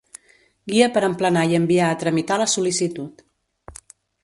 Guia per emplenar i enviar a tramitar la sol·licitud.